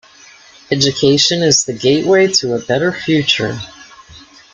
Education is the gateway to a better future.